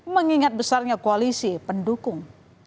mengingat besarnya koalisi pendukung